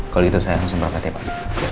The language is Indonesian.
kalau gitu saya harus berhati hati pak